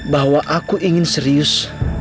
bahwa aku ingin serius